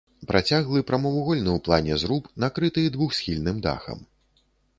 Працяглы прамавугольны ў плане зруб, накрыты двухсхільным дахам.